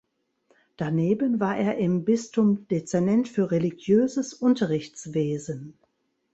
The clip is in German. Daneben war er im Bistum Dezernent für religiöses Unterrichtswesen.